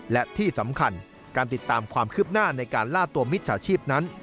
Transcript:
และที่สำคัญการติดตามความคืบหน้าในการล่าตัวมิจฉาชีพนั้น